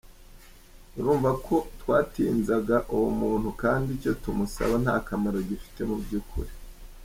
Urumva ko twatinzaga uwo muntu kandi icyo tumusaba nta kamaro gifite mu by’ukuri.